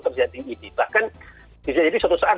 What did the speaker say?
terjadi ini bahkan bisa jadi suatu saat